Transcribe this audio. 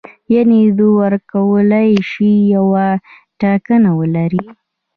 یعنې وکولای شي یوه ټاکنه ولري.